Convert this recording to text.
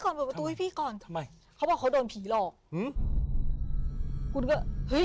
เปิดประตูให้พี่ก่อนทำไมเขาบอกเขาโดนผีหลอกอืมคุณก็เฮ้ย